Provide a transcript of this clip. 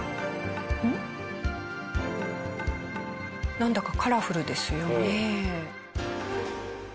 なんだかカラフルですよね。